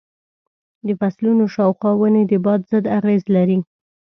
د فصلونو شاوخوا ونې د باد ضد اغېز لري.